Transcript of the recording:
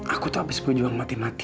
aku tuh habis pejuang mati mati